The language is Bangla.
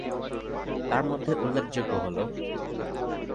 তার মধ্যে উল্লেখযোগ্য হলো।